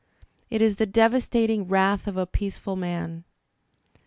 It is the devastating wrath of a peaceful man!